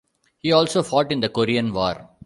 He also fought in the Korean War.